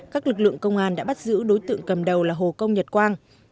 các lực lượng công an đã bắt giữ đối tượng cầm đầu là hồ công nhật quang